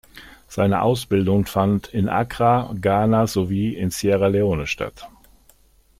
Seine Ausbildung fand in Accra, Ghana sowie in Sierra Leone statt.